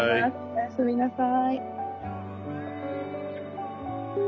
おやすみなさい。